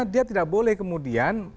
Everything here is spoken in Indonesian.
dia tidak boleh kemudian